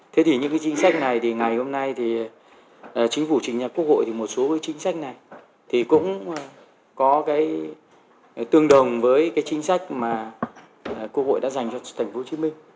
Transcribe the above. thế thì những cái chính sách này thì ngày hôm nay thì chính phủ chính nhà quốc hội thì một số cái chính sách này thì cũng có cái tương đồng với cái chính sách mà quốc hội đã dành cho thành phố hồ chí minh